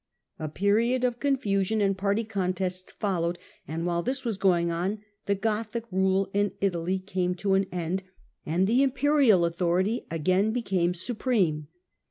A. period of confusion and party contests followed, and while this was going on the Gothic rule in Italy came to an end, and the Imperial authority again became supreme.